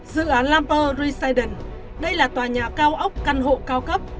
dự án lampere residence đây là tòa nhà cao ốc căn hộ cao cấp